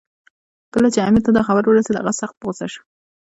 کله چې امیر ته دا خبر ورسېد، هغه سخت په غوسه شو.